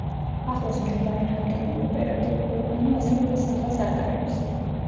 ახლოს მდებარე რამდენიმე ოპერატიული ორგანო ასევე მის სახელს ატარებს.